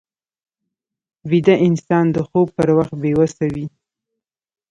ویده انسان د خوب پر وخت بې وسه وي